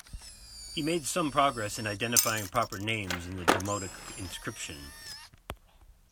He made some progress in identifying proper names in the demotic inscription.